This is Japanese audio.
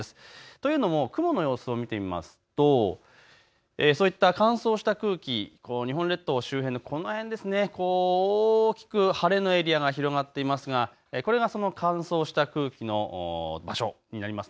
というのも雲の様子を見てみますとそういった乾燥した空気、日本列島周辺のこの辺、大きく晴れのエリアが広がっていますが、これがその乾燥した空気の場所になります。